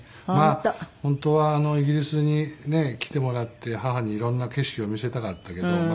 まあ本当はイギリスにねえ来てもらって母に色んな景色を見せたかったけど。